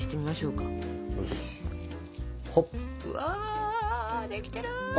うわできてる！